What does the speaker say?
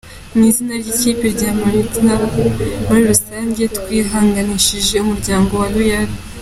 Mu izina ry’ikipe ya Maritzburg muri rusange, twihanganishije umuryango wa Luyanda.